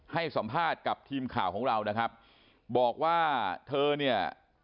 ให้สัมภาษณ์กับทีมข่าวของเรานะครับบอกว่าเธอเนี่ย